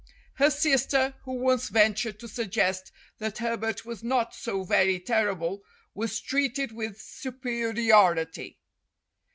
Her sister, who once ventured to suggest that Herbert was not so very terrible, was treated with superiority.